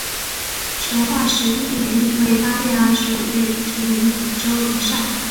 成化十一年乙未八月二十五日卒于广州任上。